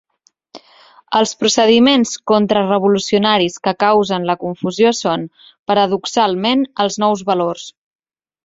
Els procediments contrarevolucionaris que causen la confusió són, paradoxalment, els nous valors.